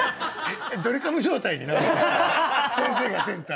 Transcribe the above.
ドリカム状態になるってこと？